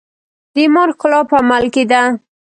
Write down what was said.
د ایمان ښکلا په عمل کې ده.